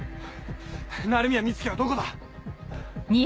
鳴宮美月はどこだ？